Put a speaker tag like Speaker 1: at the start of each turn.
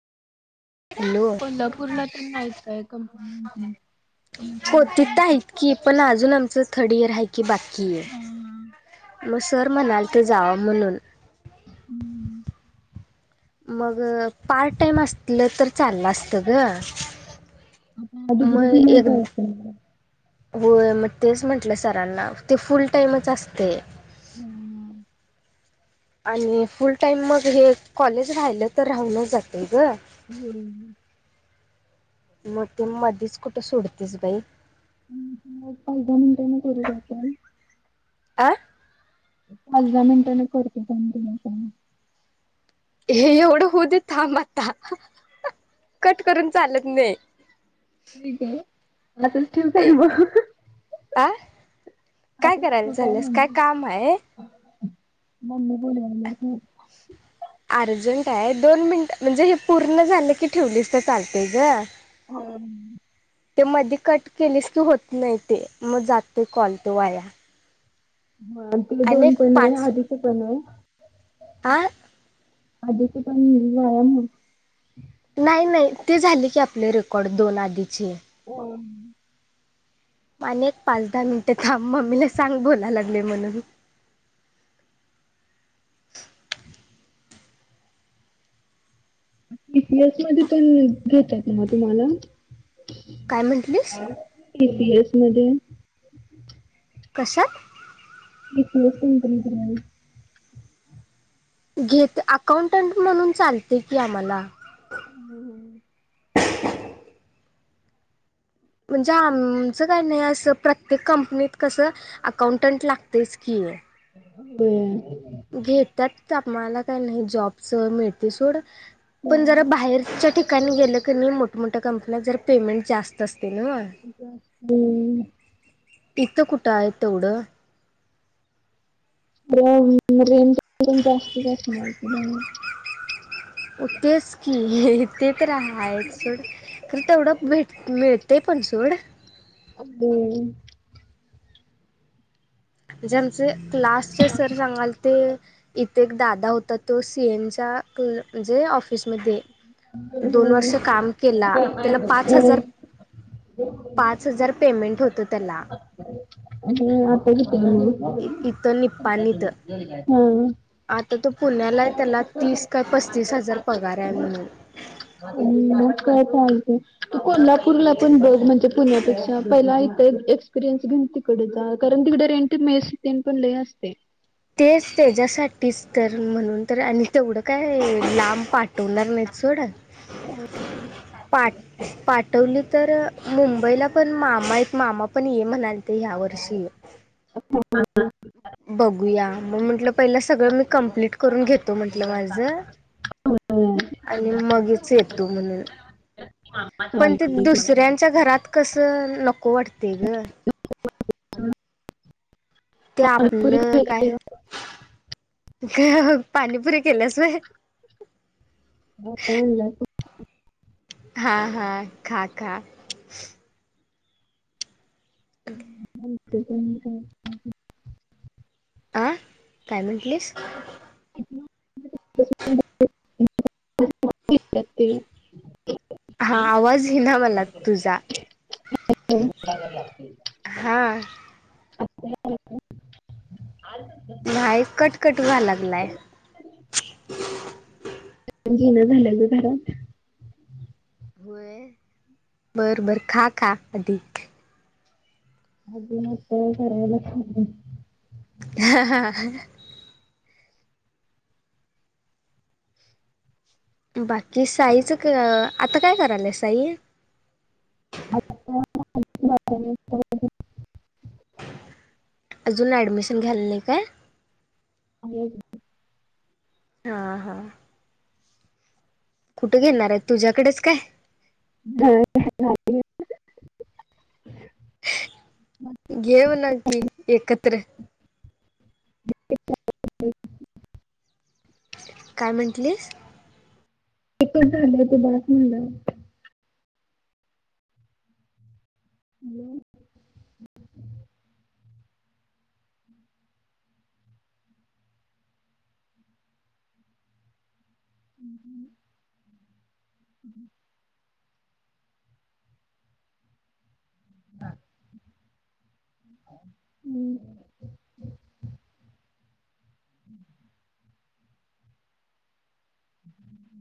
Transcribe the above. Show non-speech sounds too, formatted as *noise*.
Speaker 1: Hello! कोतीत हाइत कि, पण अजून आमचं थर्ड डियर आहे. की बाकी, मग सर म्हणाल तर जाव म्हणून *unintelligible* मग पार्ट टाइम असलं तर चाललं असतं ग.
Speaker 2: म डिगरी
Speaker 1: मग
Speaker 2: झाल्यावर
Speaker 1: एक
Speaker 2: जायचं.
Speaker 1: होय मग तेच म्हंटलं सरांना ते फुल टाईमच असतयं.
Speaker 2: हम्म.
Speaker 1: आणि फुल टाइम मग हे कॉलेज राहिलं तर राहून जाते ग.
Speaker 2: होय.
Speaker 1: मग ते मधीच कुठं सोडतीस बाई
Speaker 2: पाच दहा मिनिटांन करू काय काॅल.
Speaker 1: आं.
Speaker 2: पाच, दहा मिनिटांन करतो थांब तुला काॅल
Speaker 1: हे एवढं होऊ दे थांब आता, कट करून चालत नाही.
Speaker 2: ठीक आहे. ठेवु काय?
Speaker 1: ए- आ काय
Speaker 2: असंच
Speaker 1: करायला
Speaker 2: ठेवू
Speaker 1: चालीस काय काम आहे,
Speaker 2: ममी बोलवाय लागलीया गं.
Speaker 1: *unintelligible* अर्जंट आहे. दोन मिनिट म्हणजे हे पूर्ण झालं की, ठेवलीस तर चालतेय ग.
Speaker 2: हम.
Speaker 1: ते मध्ये कट केलेस कि होत नाही ते मग जाते कॉल तो वाया.
Speaker 2: ह ती
Speaker 1: आणि
Speaker 2: दोन
Speaker 1: एक
Speaker 2: पण व्हय
Speaker 1: पाच
Speaker 2: आधिच पण व्हय.
Speaker 1: हा
Speaker 2: अधिच पण वाया मग
Speaker 1: नाही नाही ते झाले की, आपले रेकॉर्ड दोन आधीचे
Speaker 2: *unintelligible*
Speaker 1: आणि एक पाच दहा मिनिटे थांब. मम्मीला सांग बोलायला लागलोय. म्हणून *unintelligible*
Speaker 2: इतिहास मधी पण घेतात मग तुम्हाला
Speaker 1: काय म्हटलीस?
Speaker 2: इतिहास मध्ये
Speaker 1: कश्यात?
Speaker 2: *unintelligible*
Speaker 1: घेत अकाउंटंट म्हणून चालते की आम्हाला. म्हणजे आमचं काय नाही असं प्रत्येक कंपनीत कसं, अकाउंटंट लागतेच की.
Speaker 2: व्हय.
Speaker 1: घेतात आम्हाला काही नाही, जॉबचं मिळतयं सोड
Speaker 2: हो
Speaker 1: पण जरा बाहेरच्या ठिकाणी गेलं का नाय मोठमोठ्या कंपन्यात जरा पेमेंट जास्त असतयं नंव्ह.
Speaker 2: हम्म.
Speaker 1: इथं कुठं आहेत तेवढं?
Speaker 2: रेंज जास्तच असणार बाहेर
Speaker 1: उ तेेच की ते तरी हायच सोड, खंर तेवढं भेट मिळतयं पण सोड
Speaker 2: हम्म
Speaker 1: म्हणजेे आमचे, क्लास चे सर सांगालते इथे एक दादा होता तो सीएन ता क म्हणजे ऑफिस मध्ये, दोन
Speaker 2: हम्म.
Speaker 1: वर्ष काम केला, त्याला पाच हजार पाच हजार पेमेंट होतं त्याला.
Speaker 2: हम् आता किती हाय
Speaker 1: इथं निप्पाणीत
Speaker 2: म? हम
Speaker 1: आता तो पुण्याला आहे. त्याला तीस काय पस्तीस हजार पगार आहे म्हणून
Speaker 2: हम मग काय चालतंय, तु कोल्हापूरला पण बघ म्हणजे पुण्यापेक्षा, पहिला इथे एक्सपिरीयन्स घेऊन तिकडं *unintelligible* कारण तिकडे रेंट मेस अन तेन पण लई असतंय.
Speaker 1: तेच त्याच्यासाठीच तर, म्हणून तर तेवढं काय लांब पा ठवणार नाहीत सोड, पा पाठवली तर तर अ मुंबईला पण मामा आहेत, मामा पण ये म्हणालते ह्या वर्षी. बघूया, मग म्हंटलं पहिलं सगळं मी कंप्लीट करून घेतो म्हंटलं माझं
Speaker 2: हो
Speaker 1: आणि मगच येतो म्हणून पण ते
Speaker 2: पाणीपुरी
Speaker 1: दुसऱ्यांच्या घरात कसं, नको वाटते गं.
Speaker 2: *unintelligible*
Speaker 1: ते आपलं काय
Speaker 2: खायला
Speaker 1: पाणीपुरीे केल्यास व्हय?
Speaker 2: *unintelligible*
Speaker 1: हा हा खा खा.
Speaker 2: *unintelligible*
Speaker 1: आं काय म्हंटलीस?
Speaker 2: *unintelligible* तर ते
Speaker 1: हा आवाज येईना मला तुझा. हा.
Speaker 2: आता
Speaker 1: नाही कटकट व्हाय लागलाय.
Speaker 2: घेईना झालं ग घरात.
Speaker 1: होय? बर बर खा खा आधी.
Speaker 2: *unintelligible*
Speaker 1: ह हा बाकी साईच क आता काय करालाय साई?
Speaker 2: *unintelligible*
Speaker 1: अजून ऍडमिशन घ्याले नाही काय?
Speaker 2: हम्
Speaker 1: हा हा कुठे घेणार आहेत तुझ्याकडेच काय?
Speaker 2: *unintelligible*
Speaker 1: घे म्हणाव की एकत्र काय म्हटलीस
Speaker 2: एकच झालंय त बास म्हणटल हॅलो हम् हम् हम् हा हम हम